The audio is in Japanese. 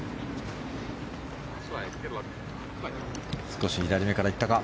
少し左めから行ったか。